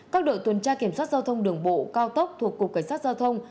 các đội tuần tra kiểm soát giao thông đường bộ cao tốc thuộc cục cảnh sát giao thông